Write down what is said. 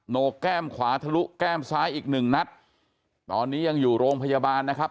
นกแก้มขวาทะลุแก้มซ้ายอีกหนึ่งนัดตอนนี้ยังอยู่โรงพยาบาลนะครับ